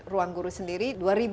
ruangguru sendiri dua ribu empat belas